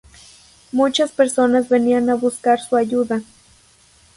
Muchas personas venían a buscar su ayuda.